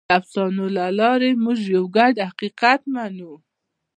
د افسانو له لارې موږ یو ګډ حقیقت منو.